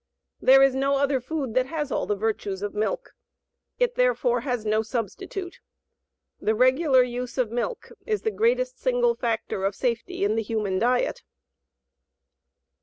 THERE IS NO OTHER FOOD THAT HAS ALL THE VIRTUES OF MILK; IT THEREFORE HAS NO SUBSTITUTE. "THE REGULAR USE OF MILK IS THE GREATEST SINGLE FACTOR OF SAFETY IN THE HUMAN DIET."